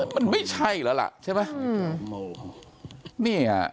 มันไม่ใช่แล้วล่ะใช่ไหม